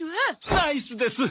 ナイスです。